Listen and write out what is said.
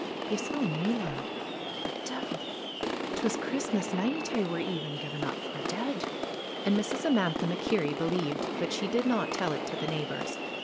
^^Ye saw me, lad ? The de'il ! 'Twas Christmas night I war e'en gi'en up for deid." And Mrs. Amantha MacKerrie believed, but she did not tell it to the neighbors.